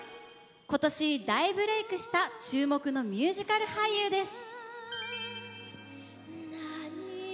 今年大ブレークした注目の若手ミュージカル俳優です。